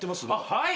はい。